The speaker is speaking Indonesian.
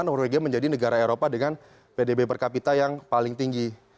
norwegia menjadi negara eropa dengan pdb per kapita yang paling tinggi